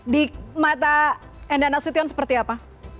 di mata enda nasution seperti apa